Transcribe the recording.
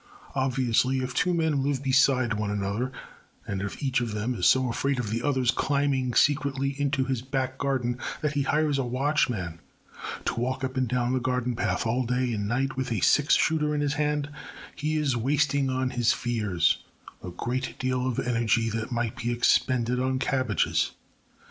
Obviously, if two men live beside one another, and if each of them is so afraid of the other's climbing secretly into his back garden that he hires a watchman to walk up and down the garden path all day and night with a six shooter in his hand, he is wasting on his fears a great deal of energy that might be expended on cabbages.